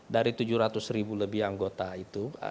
dari tujuh ratus ribu lebih anggota itu